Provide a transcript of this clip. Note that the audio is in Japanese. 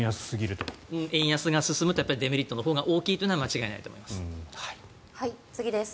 円安が進むとデメリットのほうが大きいというのは間違いないと思います。